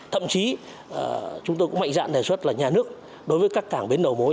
thậm chí chúng tôi cũng mạnh dạng đề xuất là nhà nước đối với các cảng bến đầu mối